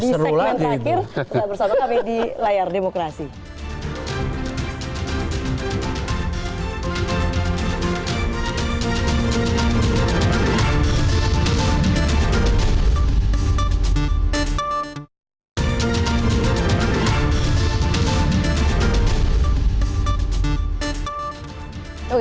kemudian ini buatan pro dan kontra juga